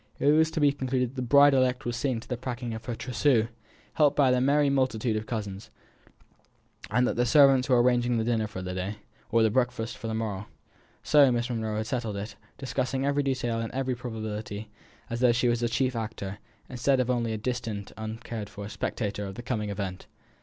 It was to be concluded that the bride elect was seeing to the packing of her trousseau, helped by the merry multitude of cousins, and that the servants were arranging the dinner for the day, or the breakfast for the morrow. So Miss Monro had settled it, discussing every detail and every probability as though she were a chief actor, instead of only a distant, uncared for spectator of the coming event.